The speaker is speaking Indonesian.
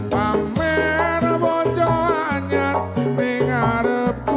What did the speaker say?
pamer bojo anjar neng arepku